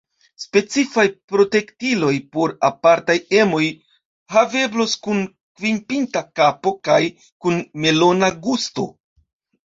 Specifaj protektiloj por apartaj emoj haveblos kun kvinpinta kapo kaj kun melona gusto.